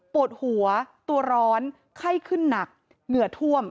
ปวดหัวตัวร้อนไข้ขึ้นหนักเหงื่อท่วม